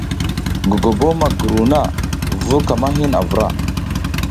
Gogobo ma giruw na, vur ka ma hin a vra na.